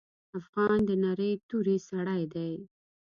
افغان د نرۍ توري سړی دی.